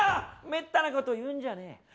めったなこと言うんじゃねえ。